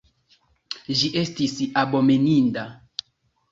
Ĝi estis abomeninda.